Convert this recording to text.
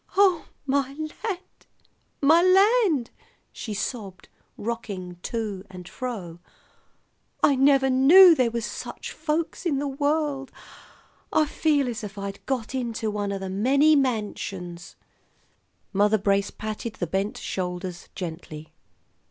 "Oh, my land! my land!" she sobbed, rocking to and fro. "I never knew there was such folks in the world. I feel just as if I'd got into one o' the many mansions!" Mother Brace patted the bent shoulders gently.